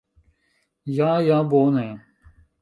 Ja ja bone